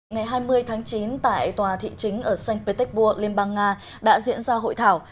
ngày hai mươi tháng chín tại tòa thị chính ở sankt petersburg liên bang nga đã diễn ra hội thảo